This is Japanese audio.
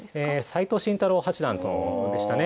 斎藤慎太郎八段とでしたね。